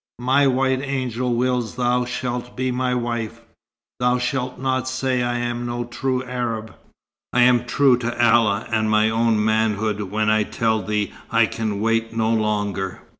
My white angel wills that thou shalt be my wife. Thou shalt not say I am no true Arab. I am true to Allah and my own manhood when I tell thee I can wait no longer."